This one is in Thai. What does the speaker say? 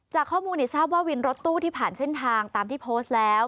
จากข้อมูลทราบว่าวินรถตู้ที่ผ่านเส้นทางตามที่โพสต์แล้ว